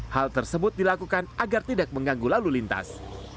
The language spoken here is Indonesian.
hal tersebut dilakukan agar tidak mengganggu lalu lintas